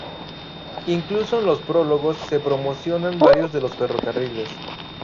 Incluso en los prólogos se promocionan varios de los ferrocarriles.